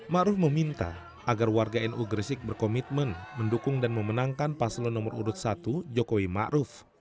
maruf meminta agar warga nu gresik berkomitmen mendukung dan memenangkan pasel nomor urut satu jokowi maruf